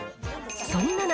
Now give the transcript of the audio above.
そんな中、